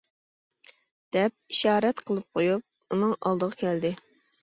دەپ ئىشارەت قىلىپ قويۇپ ئۇنىڭ ئالدىغا كەلدى.